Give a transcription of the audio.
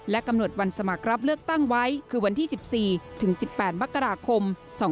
กำหนดวันสมัครรับเลือกตั้งไว้คือวันที่๑๔ถึง๑๘มกราคม๒๕๖